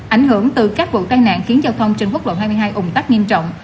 ảnh hưởng từ các vụ tai nạn khiến giao thông trên quốc lộ hai mươi hai ủng tắc nghiêm trọng